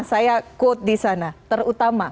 saya quote di sana terutama